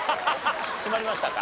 決まりましたか？